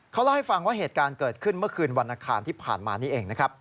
เขาเล่าให้ฟังว่าเหตุการณ์เกิดขึ้นเมื่อคืนวันอังคารที่ผ่านมานี่เองนะครับ